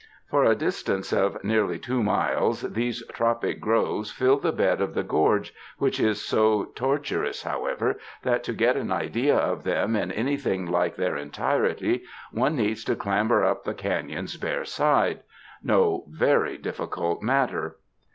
For a distance of nearly two miles these tropic groves fill the bed of the gorge, which is so tor tuous, however, that to get an idea of them in any thing like their entirety, one needs to clamber up the caiion's bare side — no very difficult matter.